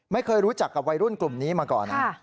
ไม่เคยรู้จักกับวัยรุ่นกลุ่มนี้มาก่อนนะ